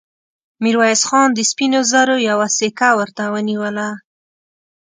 ميرويس خان د سپينو زرو يوه سيکه ورته ونيوله.